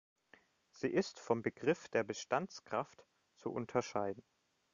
Sie ist vom Begriff der Bestandskraft zu unterscheiden.